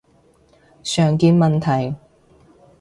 常見問題